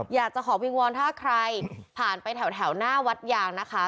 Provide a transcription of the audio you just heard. อยากจะขอวิงวอนถ้าใครผ่านไปแถวหน้าวัดยางนะคะ